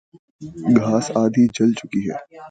گھاس آدھی جل چکی تھی